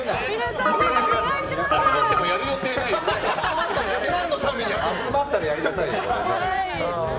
集まっても集まったらやりなさいよ！